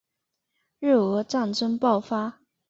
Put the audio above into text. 日俄战争爆发